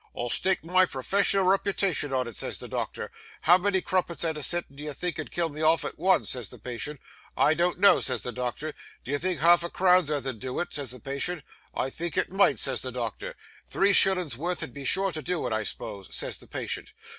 "I'll stake my professional reputation on it," says the doctor. "How many crumpets, at a sittin', do you think 'ud kill me off at once?" says the patient. "I don't know," says the doctor. "Do you think half a crown's wurth 'ud do it?" says the patient. "I think it might," says the doctor. "Three shillins' wurth 'ud be sure to do it, I s'pose?" says the patient.